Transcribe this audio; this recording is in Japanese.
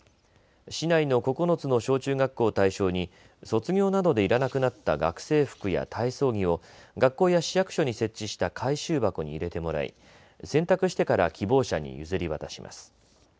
市内の９つの小中学校を対象に卒業などでいらなくなった学生服や体操着を学校や市役所に設置した回収箱に入れてもらい洗濯してから希望者に譲り渡します。